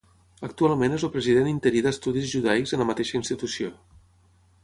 Actualment és el President Interí d'estudis judaics en la mateixa institució.